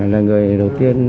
là người đầu tiên